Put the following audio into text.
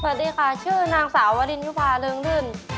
สวัสดีค่ะชื่อนางสาววรินยุภาเริงรื่น